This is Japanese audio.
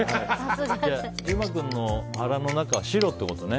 優馬君の腹の中は白ってことね。